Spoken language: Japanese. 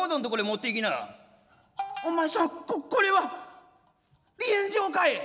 「お前さんここれは離縁状かえ？！」。